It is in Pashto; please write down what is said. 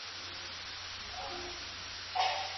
راز ساتونکې ميرمن څه ځانګړتيا لري؟